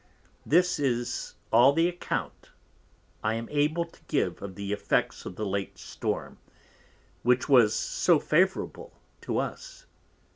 This is all the Account I am able to give of the effects of the late Storm, which was so favourable to us.